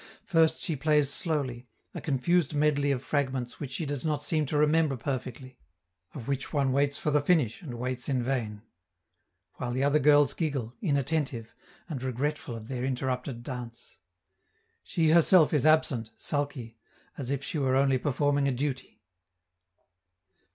First she plays slowly, a confused medley of fragments which she does not seem to remember perfectly, of which one waits for the finish and waits in vain; while the other girls giggle, inattentive, and regretful of their interrupted dance. She herself is absent, sulky, as if she were only performing a duty.